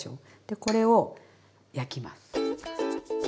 でこれを焼きます。